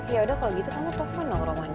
yaudah kalo gitu kamu telfon dong roman ya